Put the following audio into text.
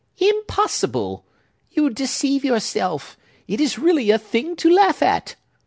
"Impossible! You deceive yourself! It is really a thing to laugh at!"